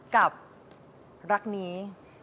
กับรักนี้